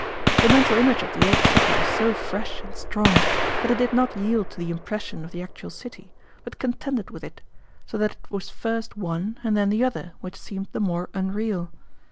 The mental image of the old city was so fresh and strong that it did not yield to the impression of the actual city, but contended with it, so that it was first one and then the other which seemed the more unreal.